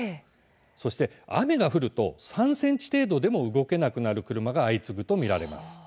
そして雨が降ると３ｃｍ程度でも動けなくなる車が相次ぐと見られます。